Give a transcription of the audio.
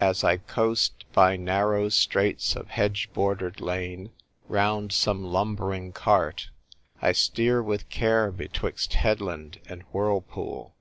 As I coast by narrow straits of hedge bordered lane, round some lumbering cart, I steer with care betwixt headland and whirlpool.